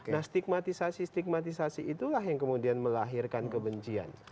nah stigmatisasi stigmatisasi itulah yang kemudian melahirkan kebencian